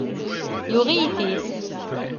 Yuɣ-iyi-t-id.